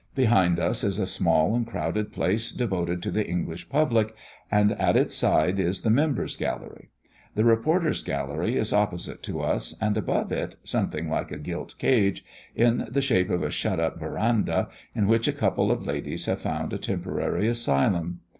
Behind us is a small and crowded place devoted to the English public, and at its side is the members' gallery. The reporters' gallery is opposite to us, and above it, something like a gilt cage, in the shape of a shut up verandah, in which a couple of ladies have found a temporary asylum.